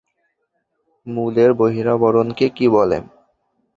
মূলের বহিরাবরণকে কী বলা হয়?